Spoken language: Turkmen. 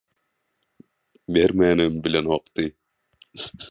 Bermänem bilenokdy.